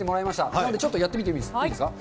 なのでちょっとやってみてもいいですか。